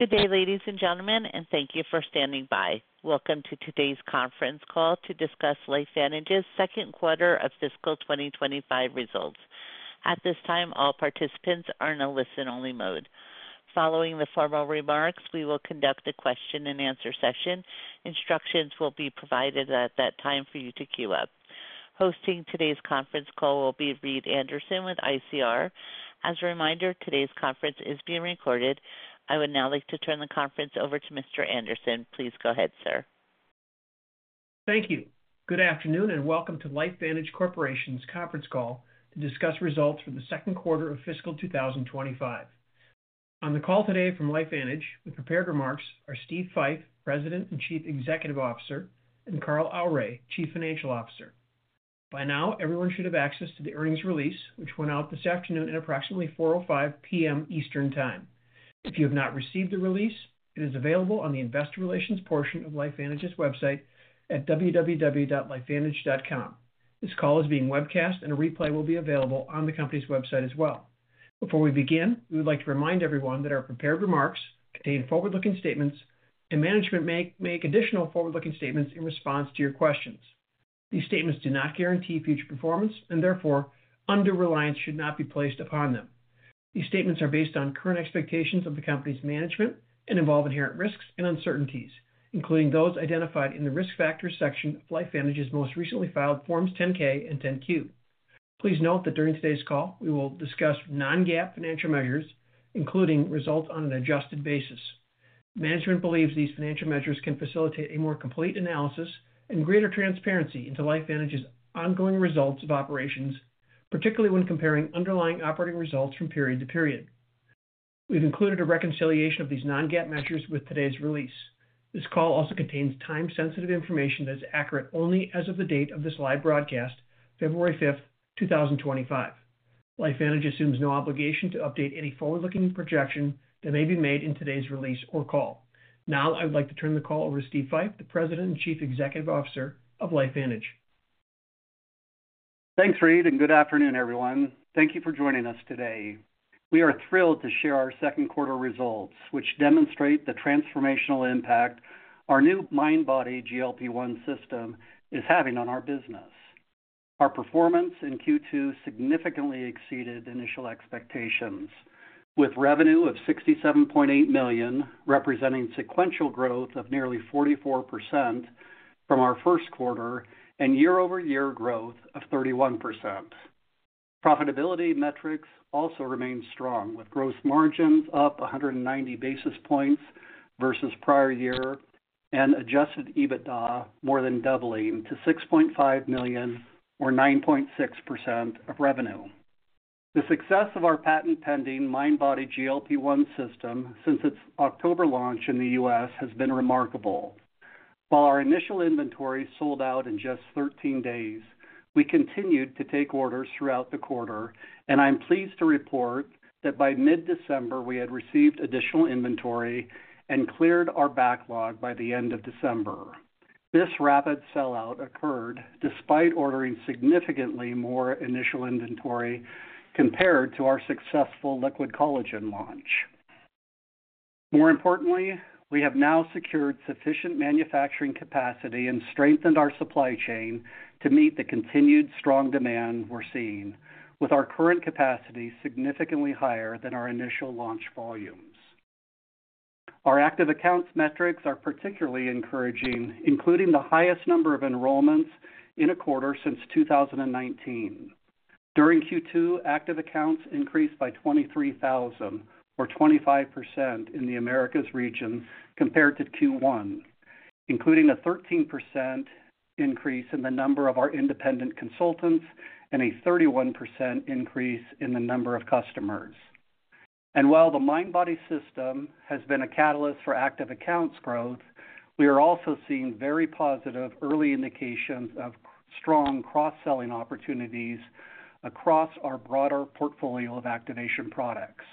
Good day, ladies and gentlemen, and thank you for standing by. Welcome to today's conference call to discuss LifeVantage's second quarter of fiscal 2025 results. At this time, all participants are in a listen-only mode. Following the formal remarks, we will conduct a question-and-answer session. Instructions will be provided at that time for you to queue up. Hosting today's conference call will be Reed Anderson with ICR. As a reminder, today's conference is being recorded. I would now like to turn the conference over to Mr. Anderson. Please go ahead, sir. Thank you. Good afternoon and welcome to LifeVantage Corporation's conference call to discuss results for the second quarter of fiscal 2025. On the call today from LifeVantage with prepared remarks are Steve Fife, President and Chief Executive Officer, and Carl Aure, Chief Financial Officer. By now, everyone should have access to the earnings release, which went out this afternoon at approximately 4:05 P.M. Eastern Time. If you have not received the release, it is available on the Investor Relations portion of LifeVantage's website at www.lifevantage.com. This call is being webcast, and a replay will be available on the company's website as well. Before we begin, we would like to remind everyone that our prepared remarks contain forward-looking statements, and management may make additional forward-looking statements in response to your questions. These statements do not guarantee future performance, and therefore, under-reliance should not be placed upon them. These statements are based on current expectations of the company's management and involve inherent risks and uncertainties, including those identified in the risk factors section of LifeVantage's most recently filed Forms 10-K and 10-Q. Please note that during today's call, we will discuss Non-GAAP financial measures, including results on an adjusted basis. Management believes these financial measures can facilitate a more complete analysis and greater transparency into LifeVantage's ongoing results of operations, particularly when comparing underlying operating results from period to period. We've included a reconciliation of these Non-GAAP measures with today's release. This call also contains time-sensitive information that is accurate only as of the date of this live broadcast, February 5th, 2025. LifeVantage assumes no obligation to update any forward-looking projection that may be made in today's release or call. Now, I would like to turn the call over to Steve Fife, the President and Chief Executive Officer of LifeVantage. Thanks, Reed, and good afternoon, everyone. Thank you for joining us today. We are thrilled to share our second quarter results, which demonstrate the transformational impact our new MindBody GLP-1 System is having on our business. Our performance in Q2 significantly exceeded initial expectations, with revenue of $67.8 million representing sequential growth of nearly 44% from our first quarter and year-over-year growth of 31%. Profitability metrics also remain strong, with gross margins up 190 basis points versus prior year and adjusted EBITDA more than doubling to $6.5 million, or 9.6% of revenue. The success of our patent-pending MindBody GLP-1 System since its October launch in the U.S. has been remarkable. While our initial inventory sold out in just 13 days, we continued to take orders throughout the quarter, and I'm pleased to report that by mid-December, we had received additional inventory and cleared our backlog by the end of December. This rapid sellout occurred despite ordering significantly more initial inventory compared to our successful Liquid Collagen launch. More importantly, we have now secured sufficient manufacturing capacity and strengthened our supply chain to meet the continued strong demand we're seeing, with our current capacity significantly higher than our initial launch volumes. Our active accounts metrics are particularly encouraging, including the highest number of enrollments in a quarter since 2019. During Q2, active accounts increased by 23,000, or 25% in the Americas region compared to Q1, including a 13% increase in the number of our independent consultants and a 31% increase in the number of customers. While the MindBody system has been a catalyst for active accounts growth, we are also seeing very positive early indications of strong cross-selling opportunities across our broader portfolio of activation products.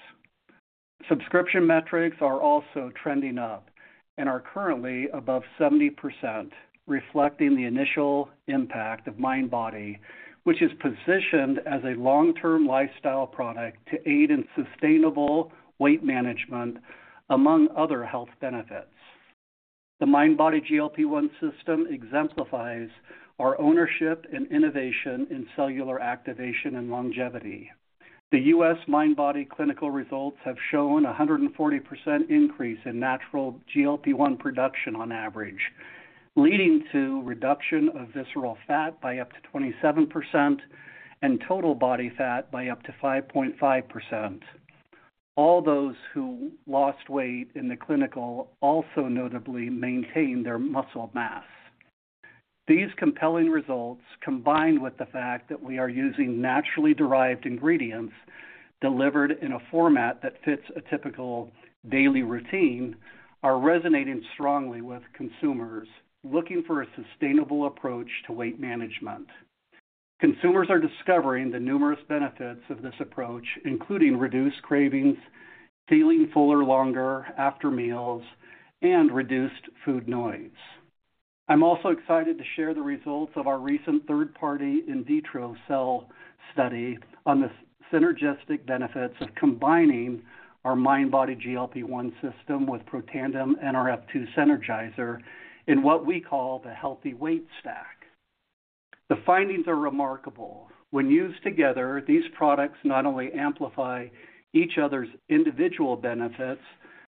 Subscription metrics are also trending up and are currently above 70%, reflecting the initial impact of MindBody, which is positioned as a long-term lifestyle product to aid in sustainable weight management, among other health benefits. The MindBody GLP-1 System exemplifies our ownership and innovation in cellular activation and longevity. The U.S. MindBody clinical results have shown a 140% increase in natural GLP-1 production on average, leading to a reduction of visceral fat by up to 27% and total body fat by up to 5.5%. All those who lost weight in the clinical also notably maintained their muscle mass. These compelling results, combined with the fact that we are using naturally derived ingredients delivered in a format that fits a typical daily routine, are resonating strongly with consumers looking for a sustainable approach to weight management. Consumers are discovering the numerous benefits of this approach, including reduced cravings, feeling fuller longer after meals, and reduced food noise. I'm also excited to share the results of our recent third-party in vitro cell study on the synergistic benefits of combining our MindBody GLP-1 System with Protandim NRF2 Synergizer in what we call the Healthy Weight Stack. The findings are remarkable. When used together, these products not only amplify each other's individual benefits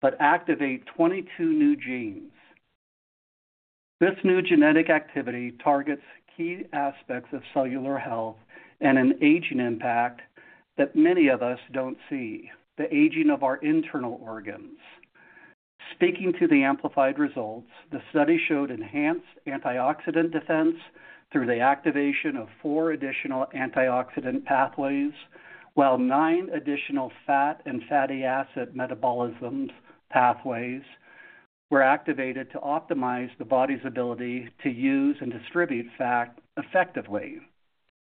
but activate 22 new genes. This new genetic activity targets key aspects of cellular health and an aging impact that many of us don't see: the aging of our internal organs. Speaking to the amplified results, the study showed enhanced antioxidant defense through the activation of four additional antioxidant pathways, while nine additional fat and fatty acid metabolism pathways were activated to optimize the body's ability to use and distribute fat effectively.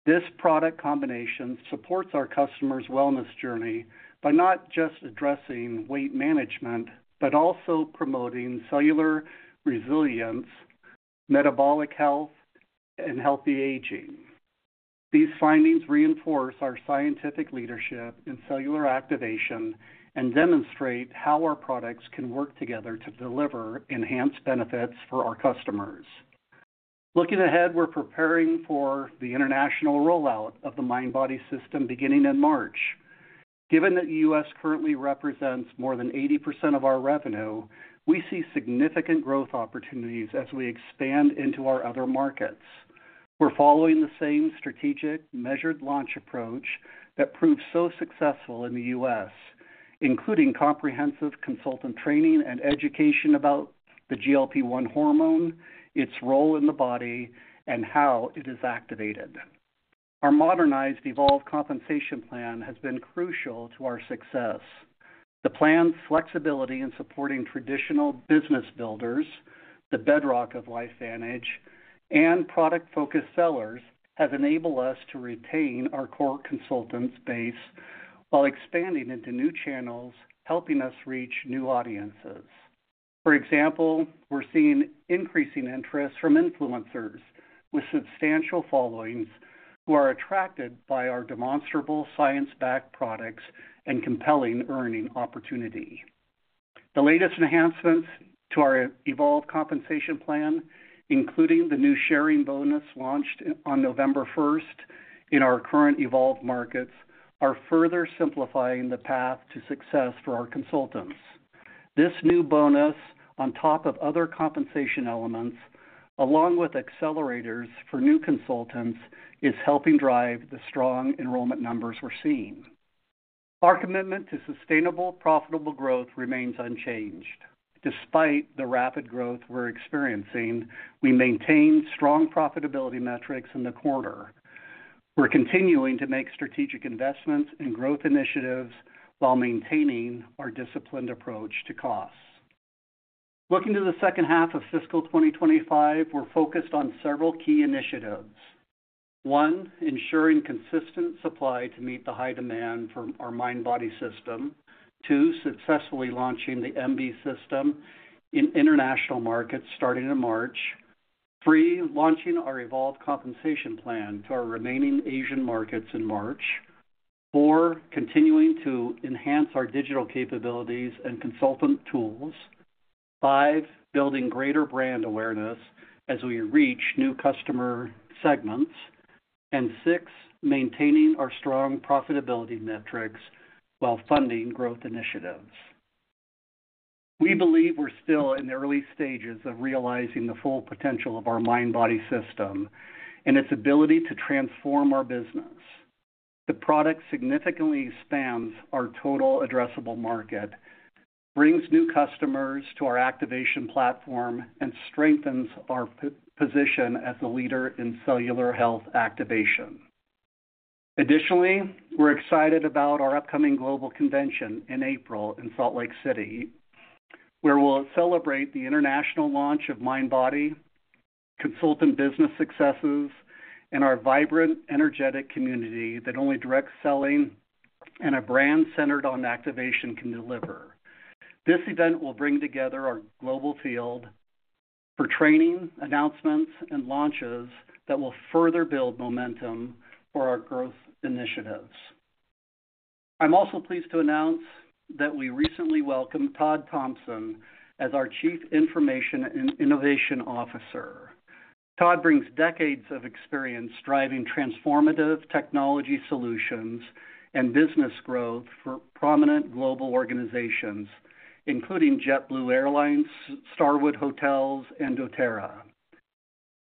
This product combination supports our customers' wellness journey by not just addressing weight management, but also promoting cellular resilience, metabolic health, and healthy aging. These findings reinforce our scientific leadership in cellular activation and demonstrate how our products can work together to deliver enhanced benefits for our customers. Looking ahead, we're preparing for the international rollout of the MindBody system beginning in March. Given that the U.S. currently represents more than 80% of our revenue, we see significant growth opportunities as we expand into our other markets. We're following the same strategic, measured launch approach that proved so successful in the U.S., including comprehensive consultant training and education about the GLP-1 hormone, its role in the body, and how it is activated. Our modernized Evolve Compensation Plan has been crucial to our success. The plan's flexibility in supporting traditional business builders, the bedrock of LifeVantage, and product-focused sellers has enabled us to retain our core consultants base while expanding into new channels, helping us reach new audiences. For example, we're seeing increasing interest from influencers with substantial followings who are attracted by our demonstrable science-backed products and compelling earning opportunity. The latest enhancements to our Evolve Compensation Plan, including the new sharing bonus launched on November 1st in our current Evolve markets, are further simplifying the path to success for our consultants. This new bonus, on top of other compensation elements, along with accelerators for new consultants, is helping drive the strong enrollment numbers we're seeing. Our commitment to sustainable, profitable growth remains unchanged. Despite the rapid growth we're experiencing, we maintain strong profitability metrics in the quarter. We're continuing to make strategic investments and growth initiatives while maintaining our disciplined approach to costs. Looking to the second half of fiscal 2025, we're focused on several key initiatives. One, ensuring consistent supply to meet the high demand for our MindBody system. Two, successfully launching the MB system in international markets starting in March. Three, launching our Evolve Compensation Plan to our remaining Asian markets in March. Four, continuing to enhance our digital capabilities and consultant tools. Five, building greater brand awareness as we reach new customer segments. Six, maintaining our strong profitability metrics while funding growth initiatives. We believe we're still in the early stages of realizing the full potential of our MindBody system and its ability to transform our business. The product significantly expands our total addressable market, brings new customers to our activation platform, and strengthens our position as the leader in cellular health activation. Additionally, we're excited about our upcoming global convention in April in Salt Lake City, where we'll celebrate the international launch of MindBody, consultant business successes, and our vibrant, energetic community that only direct selling and a brand centered on activation can deliver. This event will bring together our global field for training, announcements, and launches that will further build momentum for our growth initiatives. I'm also pleased to announce that we recently welcomed Todd Thompson as our Chief Information and Innovation Officer. Todd brings decades of experience driving transformative technology solutions and business growth for prominent global organizations, including JetBlue Airways, Starwood Hotels & Resorts, and doTERRA.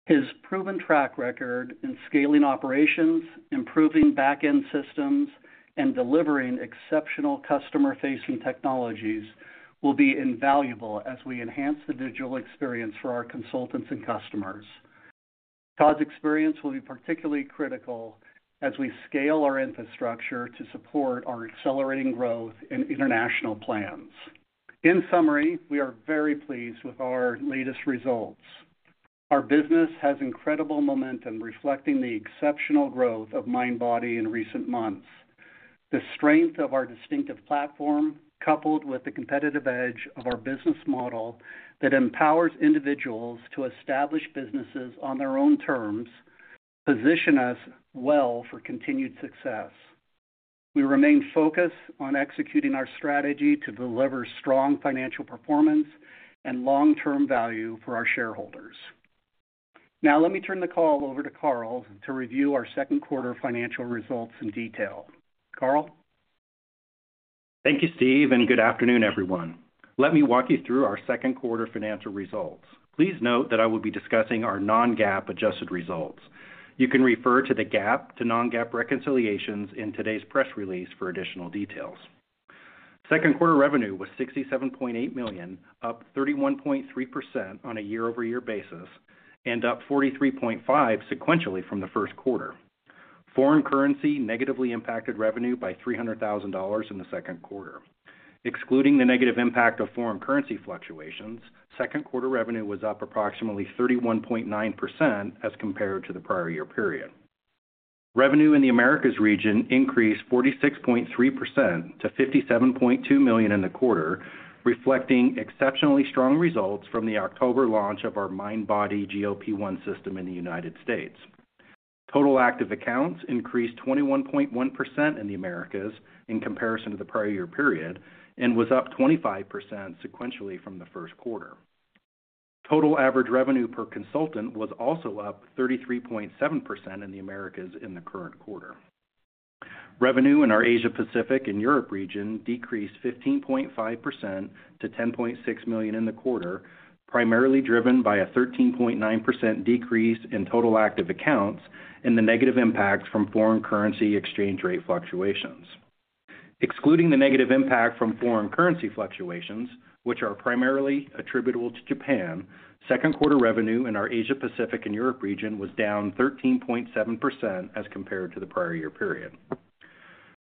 His proven track record in scaling operations, improving back-end systems, and delivering exceptional customer-facing technologies will be invaluable as we enhance the digital experience for our consultants and customers. Todd's experience will be particularly critical as we scale our infrastructure to support our accelerating growth in international plans. In summary, we are very pleased with our latest results. Our business has incredible momentum reflecting the exceptional growth of MindBody in recent months. The strength of our distinctive platform, coupled with the competitive edge of our business model that empowers individuals to establish businesses on their own terms, positions us well for continued success. We remain focused on executing our strategy to deliver strong financial performance and long-term value for our shareholders. Now, let me turn the call over to Carl to review our second quarter financial results in detail. Carl? Thank you, Steve, and good afternoon, everyone. Let me walk you through our second quarter financial results. Please note that I will be discussing our Non-GAAP adjusted results. You can refer to the GAAP to Non-GAAP reconciliations in today's press release for additional details. Second quarter revenue was $67.8 million, up 31.3% on a year-over-year basis and up 43.5% sequentially from the first quarter. Foreign currency negatively impacted revenue by $300,000 in the second quarter. Excluding the negative impact of foreign currency fluctuations, second quarter revenue was up approximately 31.9% as compared to the prior year period. Revenue in the Americas region increased 46.3% to $57.2 million in the quarter, reflecting exceptionally strong results from the October launch of our MindBody GLP-1 System in the United States. Total active accounts increased 21.1% in the Americas in comparison to the prior year period and was up 25% sequentially from the first quarter. Total average revenue per consultant was also up 33.7% in the Americas in the current quarter. Revenue in our Asia-Pacific and Europe region decreased 15.5% to $10.6 million in the quarter, primarily driven by a 13.9% decrease in total active accounts and the negative impact from foreign currency exchange rate fluctuations. Excluding the negative impact from foreign currency fluctuations, which are primarily attributable to Japan, second quarter revenue in our Asia-Pacific and Europe region was down 13.7% as compared to the prior year period.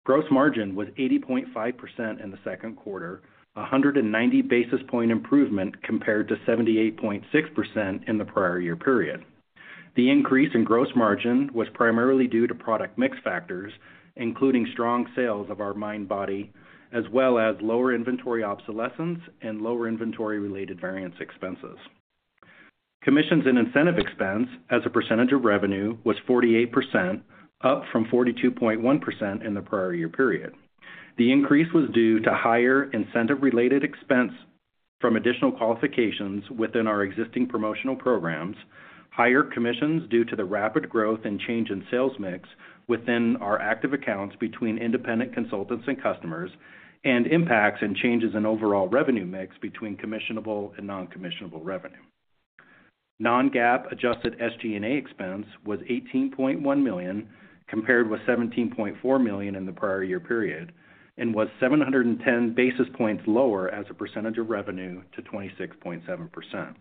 Gross margin was 80.5% in the second quarter, a 190 basis point improvement compared to 78.6% in the prior year period. The increase in gross margin was primarily due to product mix factors, including strong sales of our MindBody, as well as lower inventory obsolescence and lower inventory-related variance expenses. Commissions and incentive expense as a percentage of revenue was 48%, up from 42.1% in the prior year period. The increase was due to higher incentive-related expense from additional qualifications within our existing promotional programs, higher commissions due to the rapid growth and change in sales mix within our active accounts between independent consultants and customers, and impacts and changes in overall revenue mix between commissionable and non-commissionable revenue. Non-GAAP adjusted SG&A expense was $18.1 million, compared with $17.4 million in the prior year period, and was 710 basis points lower as a percentage of revenue to 26.7%.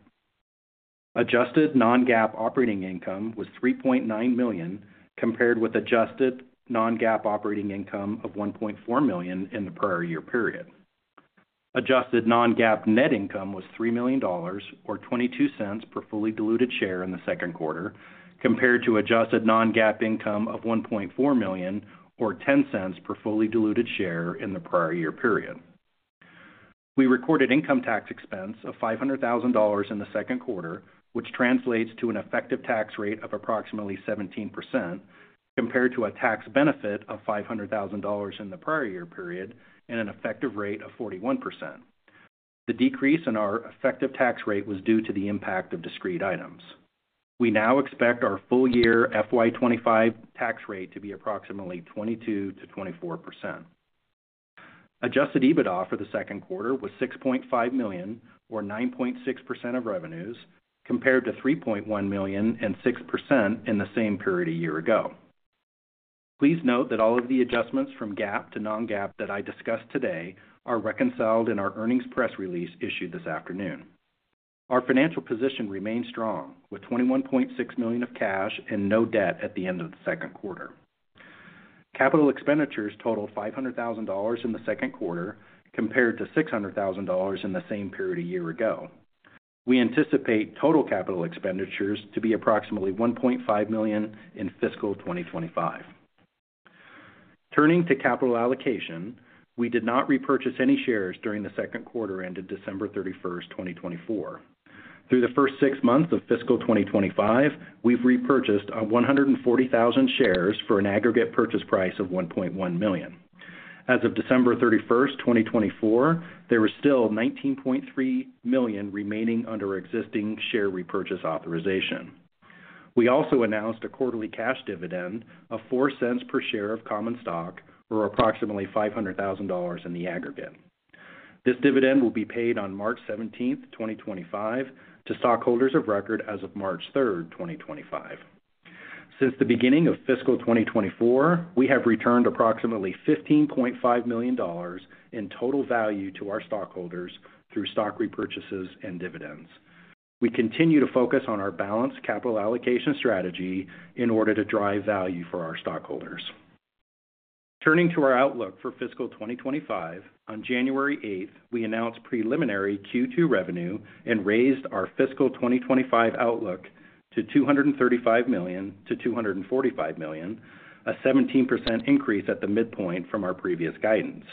Adjusted Non-GAAP operating income was $3.9 million, compared with adjusted Non-GAAP operating income of $1.4 million in the prior year period. Adjusted Non-GAAP net income was $3 million, or $0.22 per fully diluted share in the second quarter, compared to adjusted Non-GAAP income of $1.4 million, or $0.10 per fully diluted share in the prior year period. We recorded income tax expense of $500,000 in the second quarter, which translates to an effective tax rate of approximately 17%, compared to a tax benefit of $500,000 in the prior year period and an effective rate of 41%. The decrease in our effective tax rate was due to the impact of discrete items. We now expect our full year FY2025 tax rate to be approximately 22% to 24%. Adjusted EBITDA for the second quarter was $6.5 million, or 9.6% of revenues, compared to $3.1 million and 6% in the same period a year ago. Please note that all of the adjustments from GAAP to Non-GAAP that I discussed today are reconciled in our earnings press release issued this afternoon. Our financial position remains strong, with $21.6 million of cash and no debt at the end of the second quarter. Capital expenditures totaled $500,000 in the second quarter, compared to $600,000 in the same period a year ago. We anticipate total capital expenditures to be approximately $1.5 million in fiscal 2025. Turning to capital allocation, we did not repurchase any shares during the second quarter ended December 31, 2024. Through the first six months of fiscal 2025, we've repurchased 140,000 shares for an aggregate purchase price of $1.1 million. As of December 31, 2024, there was still $19.3 million remaining under existing share repurchase authorization. We also announced a quarterly cash dividend of $0.04 per share of common stock, or approximately $500,000 in the aggregate. This dividend will be paid on March 17th, 2025, to stockholders of record as of March 3rd, 2025. Since the beginning of fiscal 2024, we have returned approximately $15.5 million in total value to our stockholders through stock repurchases and dividends. We continue to focus on our balanced capital allocation strategy in order to drive value for our stockholders. Turning to our outlook for fiscal 2025, on January 8th, we announced preliminary Q2 revenue and raised our fiscal 2025 outlook to $235 million to $245 million, a 17% increase at the midpoint from our previous guidance.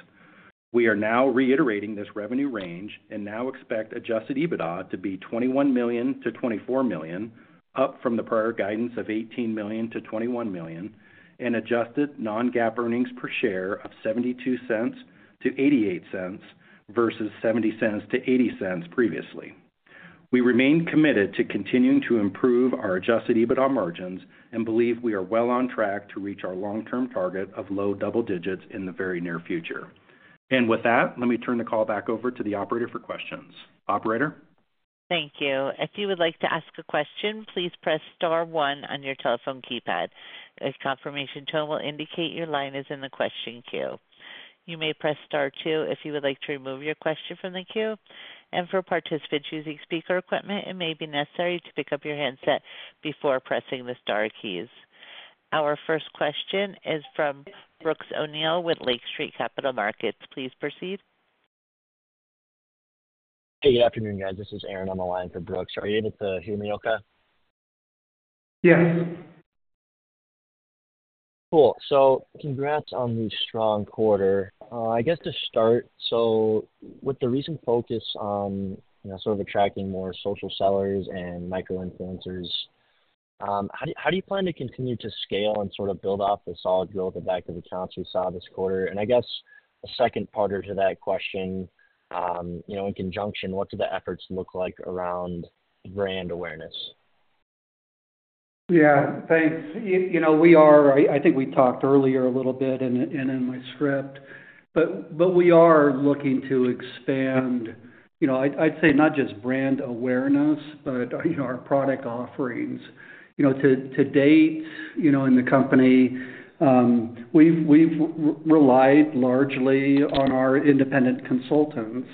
We are now reiterating this revenue range and now expect adjusted EBITDA to be $21 million to $24 million, up from the prior guidance of $18 million to $21 million, and adjusted Non-GAAP earnings per share of $0.72 to $0.88 versus $0.70 to $0.80 previously. We remain committed to continuing to improve our adjusted EBITDA margins and believe we are well on track to reach our long-term target of low double digits in the very near future. With that, let me turn the call back over to the operator for questions. Operator? Thank you. If you would like to ask a question, please press star one on your telephone keypad. A confirmation tone will indicate your line is in the question queue. You may press star two if you would like to remove your question from the queue. For participants using speaker equipment, it may be necessary to pick up your handset before pressing the star keys. Our first question is from Brooks O'Neil with Lake Street Capital Markets. Please proceed. Hey, good afternoon, guys. This is Aaron. I'm on the line for Brooks. Are you able to hear me, Ilka? Yes. Cool. Congrats on the strong quarter. I guess to start, with the recent focus on sort of attracting more social sellers and micro-influencers, how do you plan to continue to scale and sort of build off the solid growth of back-of-the-accounts we saw this quarter? I guess a second part to that question, in conjunction, what do the efforts look like around brand awareness? Yeah, thanks. I think we talked earlier a little bit and in my script, but we are looking to expand, I'd say not just brand awareness, but our product offerings. To date, in the company, we've relied largely on our independent consultants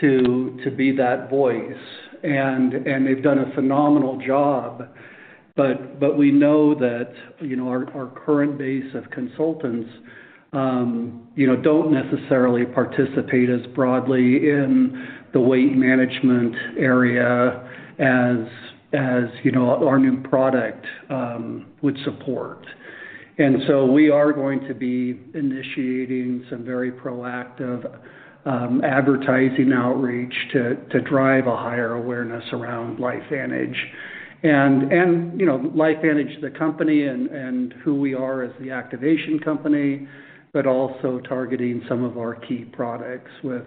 to be that voice, and they've done a phenomenal job. We know that our current base of consultants don't necessarily participate as broadly in the weight management area as our new product would support. We are going to be initiating some very proactive advertising outreach to drive a higher awareness around LifeVantage and LifeVantage, the company, and who we are as the activation company, but also targeting some of our key products with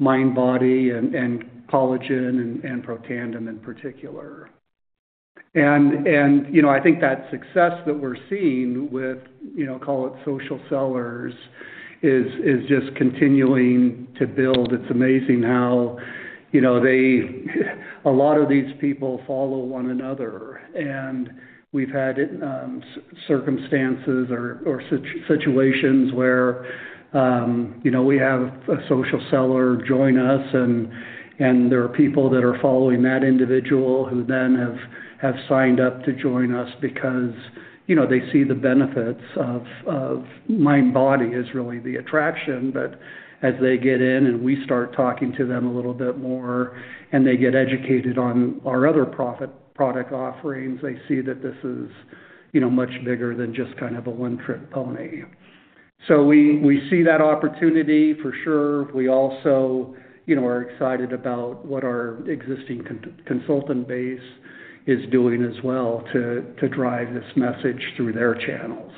MindBody and collagen and Protandim in particular. I think that success that we're seeing with, call it social sellers, is just continuing to build. It's amazing how a lot of these people follow one another. We have had circumstances or situations where we have a social seller join us, and there are people that are following that individual who then have signed up to join us because they see the benefits of MindBody as really the attraction. As they get in and we start talking to them a little bit more and they get educated on our other product offerings, they see that this is much bigger than just kind of a one-trick pony. We see that opportunity for sure. We also are excited about what our existing consultant base is doing as well to drive this message through their channels.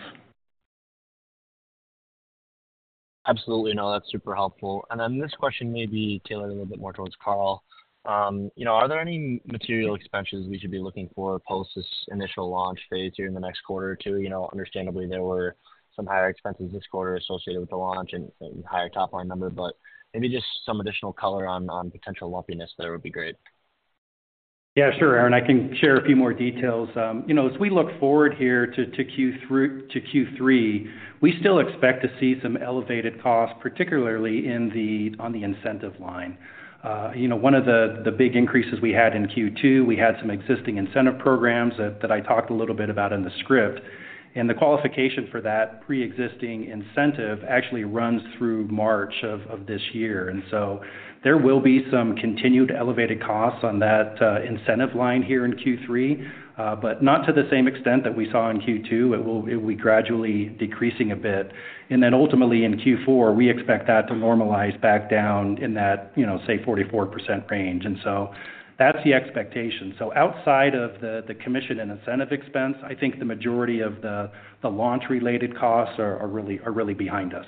Absolutely. No, that's super helpful. This question may be tailored a little bit more towards Carl. Are there any material expenses we should be looking for post this initial launch phase here in the next quarter or two? Understandably, there were some higher expenses this quarter associated with the launch and higher top-line number, but maybe just some additional color on potential lumpiness there would be great. Yeah, sure, Aaron. I can share a few more details. As we look forward here to Q3, we still expect to see some elevated costs, particularly on the incentive line. One of the big increases we had in Q2, we had some existing incentive programs that I talked a little bit about in the script. The qualification for that pre-existing incentive actually runs through March of this year. There will be some continued elevated costs on that incentive line here in Q3, but not to the same extent that we saw in Q2. It will be gradually decreasing a bit. Ultimately in Q4, we expect that to normalize back down in that, say, 44% range. That is the expectation. Outside of the commission and incentive expense, I think the majority of the launch-related costs are really behind us.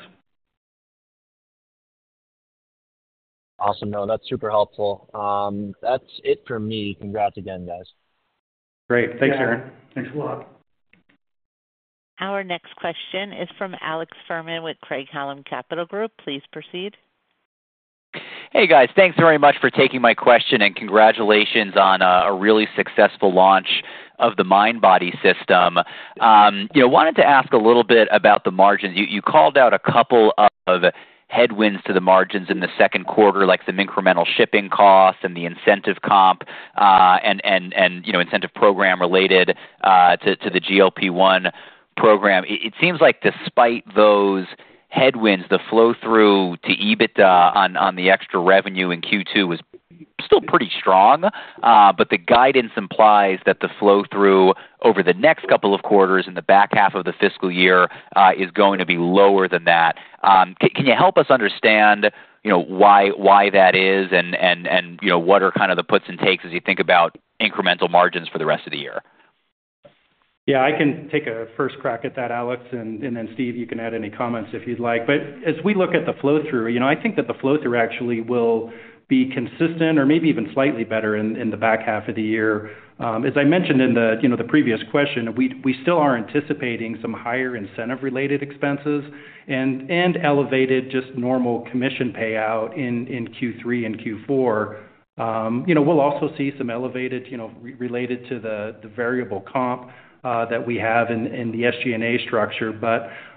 Awesome. No, that's super helpful. That's it for me. Congrats again, guys. Great. Thanks, Aaron. Thanks a lot. Our next question is from Alex Furman with Craig-Hallum Capital Group. Please proceed. Hey, guys. Thanks very much for taking my question and congratulations on a really successful launch of the MindBody system. Wanted to ask a little bit about the margins. You called out a couple of headwinds to the margins in the second quarter, like some incremental shipping costs and the incentive comp and incentive program related to the GLP-1 program. It seems like despite those headwinds, the flow-through to EBITDA on the extra revenue in Q2 was still pretty strong, but the guidance implies that the flow-through over the next couple of quarters in the back half of the fiscal year is going to be lower than that. Can you help us understand why that is and what are kind of the puts and takes as you think about incremental margins for the rest of the year? Yeah, I can take a first crack at that, Alex. And then Steve, you can add any comments if you'd like. As we look at the flow-through, I think that the flow-through actually will be consistent or maybe even slightly better in the back half of the year. As I mentioned in the previous question, we still are anticipating some higher incentive-related expenses and elevated just normal commission payout in Q3 and Q4. We'll also see some elevated related to the variable comp that we have in the SG&A structure.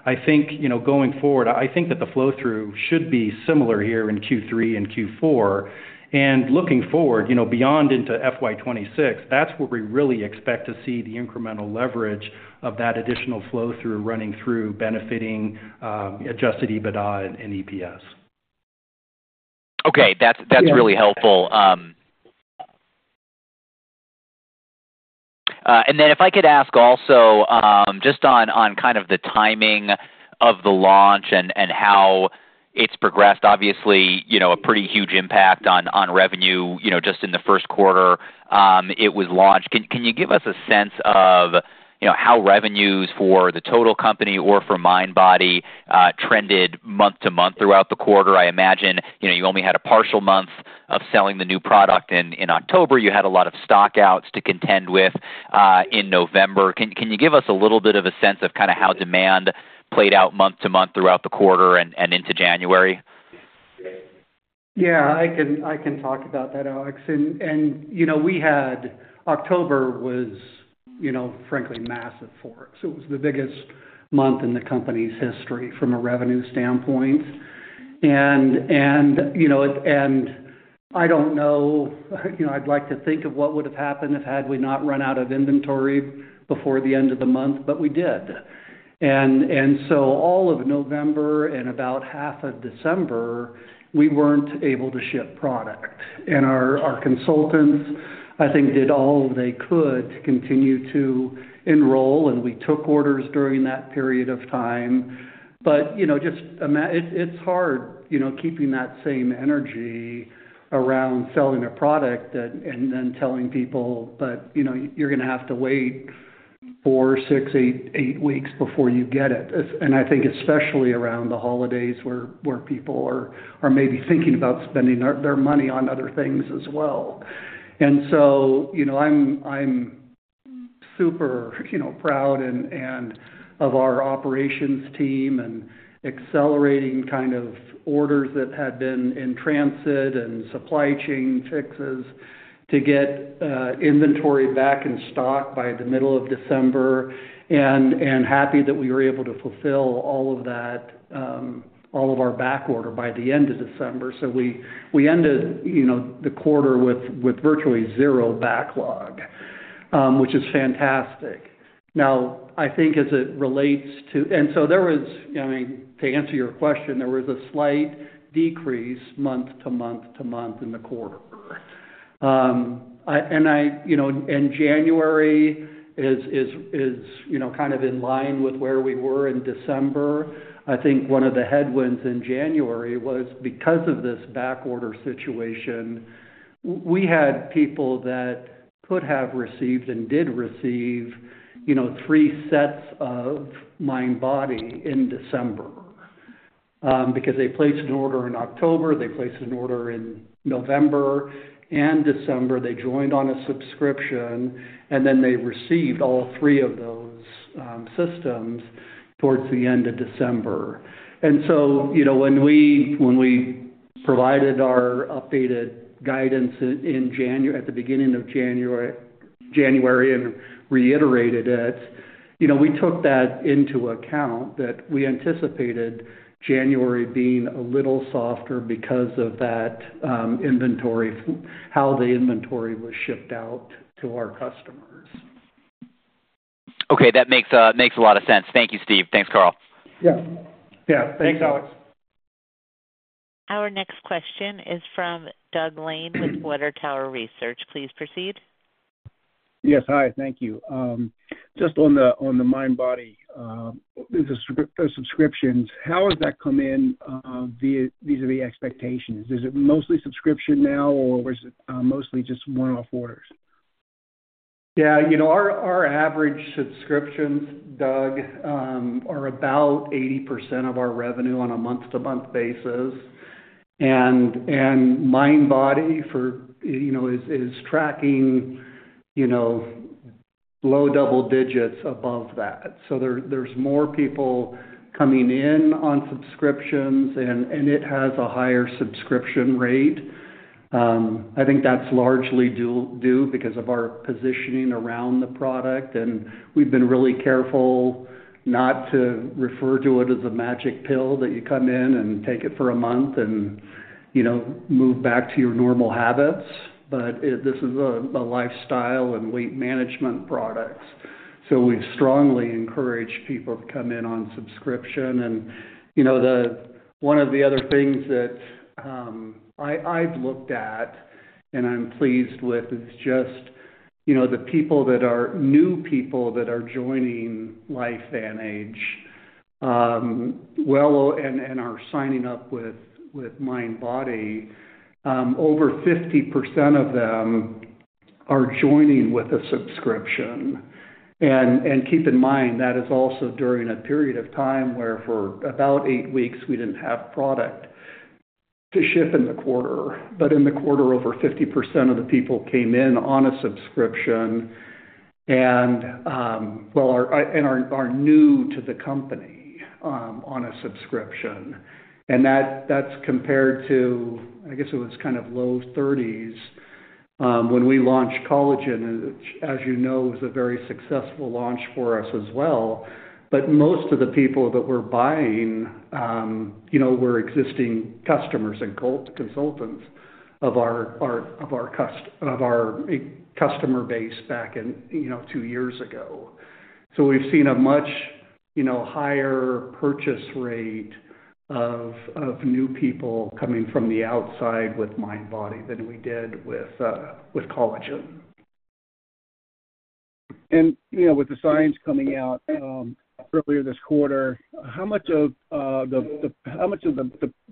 I think going forward, I think that the flow-through should be similar here in Q3 and Q4. Looking forward, beyond into FY2026, that's where we really expect to see the incremental leverage of that additional flow-through running through, benefiting adjusted EBITDA and EPS. Okay. That's really helpful. If I could ask also just on kind of the timing of the launch and how it's progressed, obviously a pretty huge impact on revenue just in the first quarter it was launched. Can you give us a sense of how revenues for the total company or for MindBody trended month to month throughout the quarter? I imagine you only had a partial month of selling the new product in October. You had a lot of stockouts to contend with in November. Can you give us a little bit of a sense of kind of how demand played out month to month throughout the quarter and into January? Yeah, I can talk about that, Alex. We had October, which was, frankly, massive for us. It was the biggest month in the company's history from a revenue standpoint. I don't know, I'd like to think of what would have happened if we had not run out of inventory before the end of the month, but we did. All of November and about half of December, we were not able to ship product. Our consultants, I think, did all they could to continue to enroll, and we took orders during that period of time. It is just hard keeping that same energy around selling a product and then telling people, "But you're going to have to wait four, six, eight weeks before you get it." I think especially around the holidays where people are maybe thinking about spending their money on other things as well. I'm super proud of our operations team and accelerating kind of orders that had been in transit and supply chain fixes to get inventory back in stock by the middle of December. I'm happy that we were able to fulfill all of our back order by the end of December. We ended the quarter with virtually zero backlog, which is fantastic. I think as it relates to, and so there was, I mean, to answer your question, there was a slight decrease month to month to month in the quarter. January is kind of in line with where we were in December. I think one of the headwinds in January was because of this backorder situation, we had people that could have received and did receive three sets of MindBody in December because they placed an order in October, they placed an order in November, and December, they joined on a subscription, and then they received all three of those systems towards the end of December. When we provided our updated guidance at the beginning of January and reiterated it, we took that into account that we anticipated January being a little softer because of how the inventory was shipped out to our customers. Okay. That makes a lot of sense. Thank you, Steve. Thanks, Carl. Yeah. Yeah. Thanks, Alex. Our next question is from Doug Lane with Water Tower Research. Please proceed. Yes. Hi. Thank you. Just on the MindBody subscriptions, how has that come in vis-à-vis expectations? Is it mostly subscription now, or was it mostly just one-off orders? Yeah. Our average subscriptions, Doug, are about 80% of our revenue on a month-to-month basis. MindBody is tracking low double digits above that. There are more people coming in on subscriptions, and it has a higher subscription rate. I think that's largely due because of our positioning around the product. We have been really careful not to refer to it as a magic pill that you come in and take it for a month and move back to your normal habits. This is a lifestyle and weight management product. We have strongly encouraged people to come in on subscription. One of the other things that I've looked at and I'm pleased with is just the people that are new people that are joining LifeVantage and are signing up with MindBody, over 50% of them are joining with a subscription. Keep in mind, that is also during a period of time where for about eight weeks, we did not have product to ship in the quarter. In the quarter, over 50% of the people came in on a subscription and are new to the company on a subscription. That is compared to, I guess it was kind of low 30s when we launched collagen, which, as you know, was a very successful launch for us as well. Most of the people that were buying were existing customers and consultants of our customer base back two years ago. We have seen a much higher purchase rate of new people coming from the outside with MindBody than we did with collagen. With the signs coming out earlier this quarter, how much of the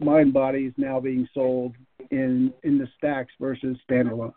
MindBody is now being sold in the stacks versus standalone?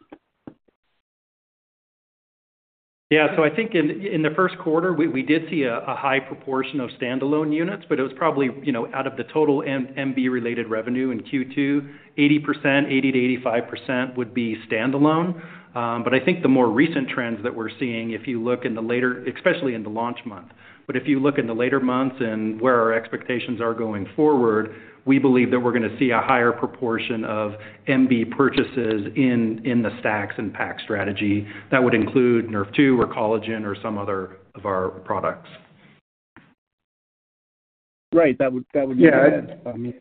Yeah. I think in the first quarter, we did see a high proportion of standalone units, but it was probably out of the total MB-related revenue in Q2, 80%-85% would be standalone. I think the more recent trends that we're seeing, if you look in the later, especially in the launch month, but if you look in the later months and where our expectations are going forward, we believe that we're going to see a higher proportion of MB purchases in the stacks and pack strategy. That would include NRF2 or collagen or some other of our products. Right. That would be good.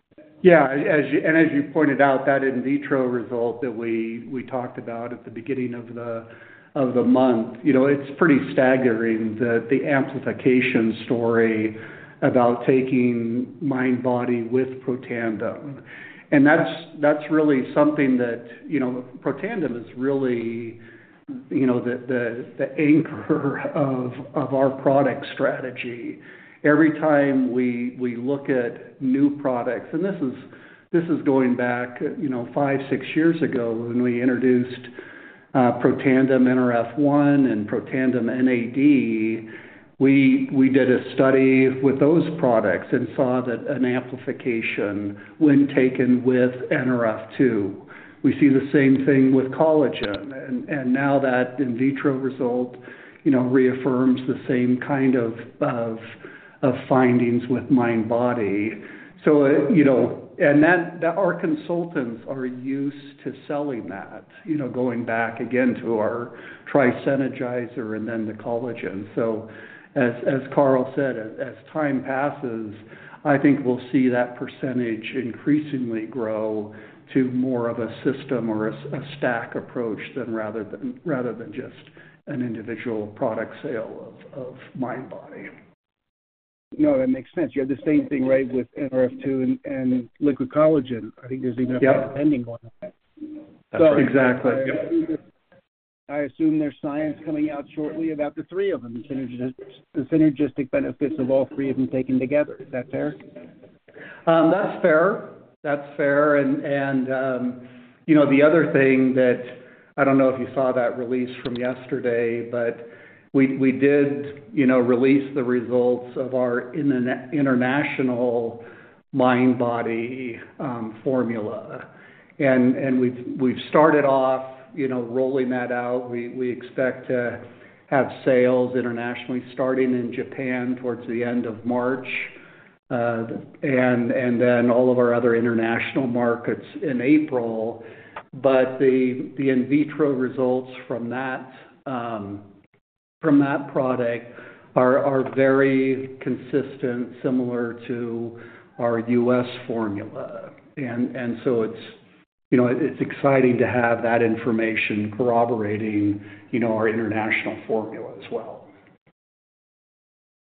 Yeah. As you pointed out, that in vitro result that we talked about at the beginning of the month is pretty staggering, the amplification story about taking MindBody with Protandim. That is really something, that Protandim is really the anchor of our product strategy. Every time we look at new products, and this is going back five, six years ago when we introduced Protandim NRF1 and Protandim NAD, we did a study with those products and saw that amplification when taken with NRF2. We see the same thing with collagen. Now that in vitro result reaffirms the same kind of findings with MindBody. Our consultants are used to selling that, going back again to our Tri-Synergizer and then the collagen. As Carl said, as time passes, I think we'll see that percentage increasingly grow to more of a system or a stack approach rather than just an individual product sale of MindBody. No, that makes sense. You have the same thing, right, with NRF2 and Liquid Collagen. I think there's even a depending on that. Exactly. I assume there's signs coming out shortly about the three of them, the synergistic benefits of all three of them taken together. Is that fair? That's fair. That's fair. The other thing that I don't know if you saw that release from yesterday, but we did release the results of our international MindBody formula. We've started off rolling that out. We expect to have sales internationally starting in Japan towards the end of March and then all of our other international markets in April. The in vitro results from that product are very consistent, similar to our U.S. formula. It's exciting to have that information corroborating our international formula as well.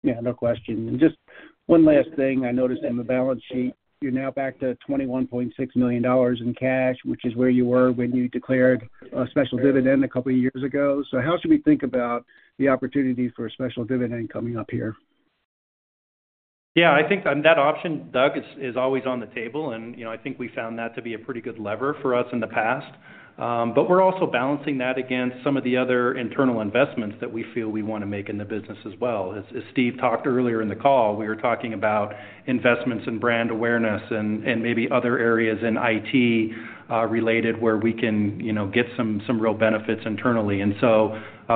Yeah. No question. Just one last thing. I noticed on the balance sheet, you're now back to $21.6 million in cash, which is where you were when you declared a special dividend a couple of years ago. How should we think about the opportunity for a special dividend coming up here? Yeah. I think that option, Doug, is always on the table. I think we found that to be a pretty good lever for us in the past. We are also balancing that against some of the other internal investments that we feel we want to make in the business as well. As Steve talked earlier in the call, we were talking about investments in brand awareness and maybe other areas in IT related where we can get some real benefits internally.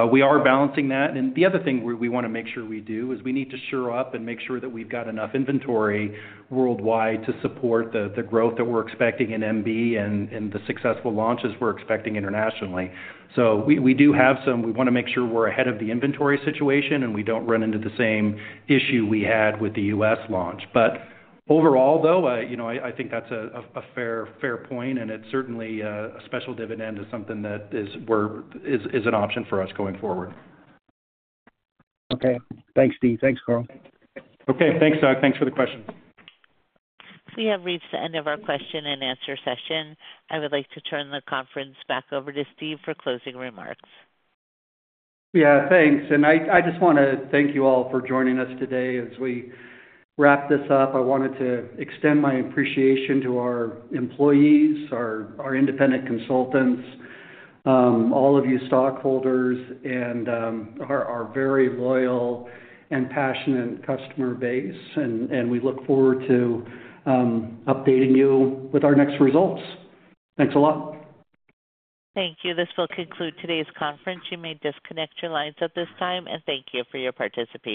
We are balancing that. The other thing we want to make sure we do is we need to shore up and make sure that we've got enough inventory worldwide to support the growth that we're expecting in MB and the successful launches we're expecting internationally. We do have some. We want to make sure we're ahead of the inventory situation and we do not run into the same issue we had with the U.S. launch. Overall, though, I think that's a fair point. Certainly, a special dividend is something that is an option for us going forward. Okay. Thanks, Steve. Thanks, Carl. Okay. Thanks, Doug. Thanks for the questions. We have reached the end of our question and answer session. I would like to turn the conference back over to Steve for closing remarks. Yeah. Thanks. I just want to thank you all for joining us today. As we wrap this up, I wanted to extend my appreciation to our employees, our independent consultants, all of you stockholders, and our very loyal and passionate customer base. We look forward to updating you with our next results. Thanks a lot. Thank you. This will conclude today's conference. You may disconnect your lines at this time. Thank you for your participation.